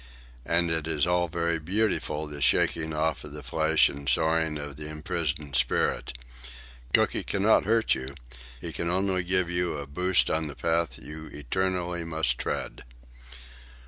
And it is all very beautiful, this shaking off of the flesh and soaring of the imprisoned spirit. Cooky cannot hurt you. He can only give you a boost on the path you eternally must tread.